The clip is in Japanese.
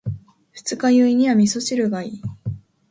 二日酔いには味噌汁がいい。